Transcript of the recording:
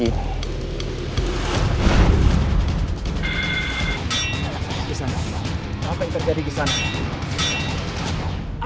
di sana apa yang terjadi di sana